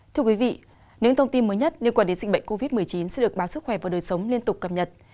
thưa quý vị những thông tin mới nhất liên quan đến dịch bệnh covid một mươi chín sẽ được báo sức khỏe và đời sống liên tục cập nhật